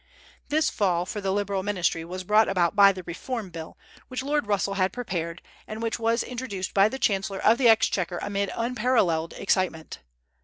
This fall of the Liberal ministry was brought about by the Reform Bill, which Lord Russell had prepared, and which was introduced by the chancellor of the exchequer amid unparalleled excitement.